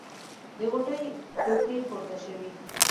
د غوټۍ کوکې پورته شوې.